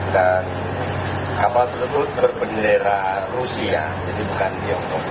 kapal tersebut berbendera rusia jadi bukan tiongkok